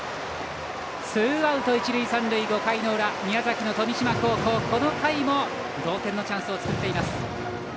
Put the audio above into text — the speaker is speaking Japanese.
ツーアウト一塁三塁５回の裏、宮崎の富島高校この回も同点のチャンスを作っています。